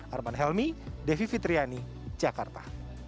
arman helmi devi fitriani jakarta